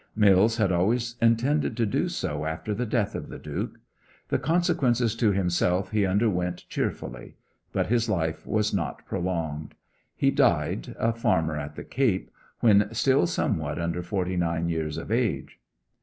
Mills had always intended to do so after the death of the Duke. The consequences to himself he underwent cheerfully; but his life was not prolonged. He died, a farmer at the Cape, when still somewhat under forty nine years of age.